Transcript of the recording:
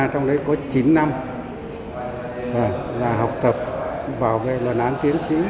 trong đấy có chín năm là học tập vào cái luận án tiến sĩ